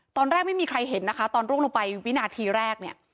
ตอนแรกไม่มีใครเห็นนะคะตอนร่วงลงไปวินาทีแรกเนี่ย